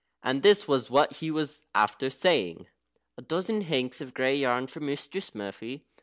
And this was what he was after saying: "A dozen hanks of grey yarn for Mistress Murphy."